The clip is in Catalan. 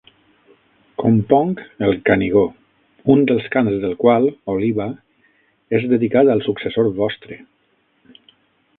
Componc el Canigó, un dels cants del qual, Oliba, és dedicat al successor vostre.